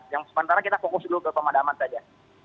yang sementara kita fokus dulu ke pemadaman saja